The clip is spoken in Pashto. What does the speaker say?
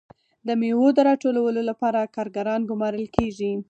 د میوو د راټولولو لپاره کارګران ګمارل کیږي.